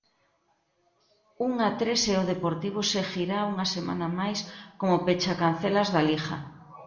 Un a tres e o Deportivo seguirá unha semana máis como pechacancelas da Liga.